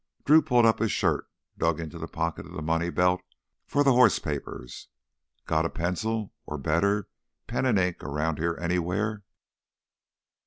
Drew pulled up his shirt, dug into the pocket of the money belt for the horse papers. "Got a pencil—or better—pen and ink around here anywhere?"